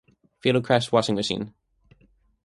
Fatal crash washing machine.